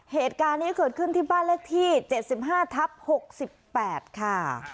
เหตุการณ์นี้เกิดขึ้นที่บ้านเลขที่๗๕ทับ๖๘ค่ะ